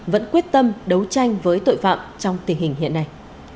vẫn quyết tâm đấu tranh với tội phạm trong tình hình hiện nay